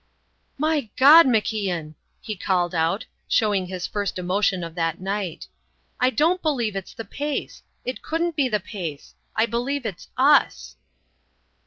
"My God, MacIan!" he called out, showing his first emotion of that night. "I don't believe it's the pace; it couldn't be the pace. I believe it's us."